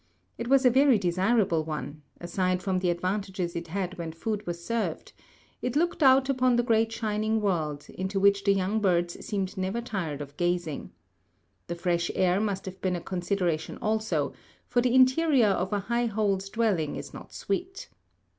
It was a very desirable one, aside from the advantages it had when food was served; it looked out upon the great shining world, into which the young birds seemed never tired of gazing. The fresh air must have been a consideration also, for the interior of a high hole's dwelling is not sweet.